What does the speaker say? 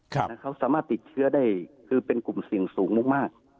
แต่เขาสามารถติดเชื้อได้คือเป็นกลุ่มเสี่ยงสูงมาก